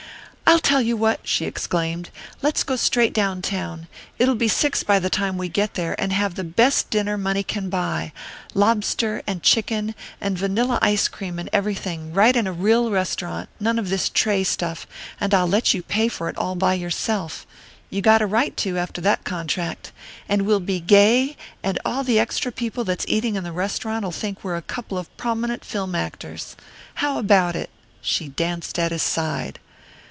"I'll tell you what!" she exclaimed. "Let's go straight down town it'll be six by the time we get there and have the best dinner money can buy: lobster and chicken and vanilla ice cream and everything, right in a real restaurant none of this tray stuff and I'll let you pay for it all by yourself. You got a right to, after that contract. And we'll be gay, and all the extra people that's eating in the restaurant'll think we're a couple o' prominent film actors. How about it?" She danced at his side.